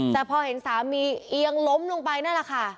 แต่พอเห็นสามีเอียงล้มลงไปนั่นแหละค่ะ